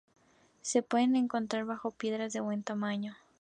Se pueden encontrar bajo piedras de buen tamaño.